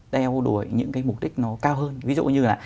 theo đuổi những cái mục đích nó cao hơn ví dụ như là